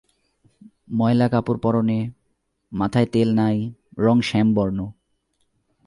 ময়লা কাপড় পরনে, মাথায় তেল নাই, রং শ্যামবর্ণ।